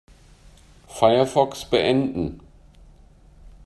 Firefox beenden.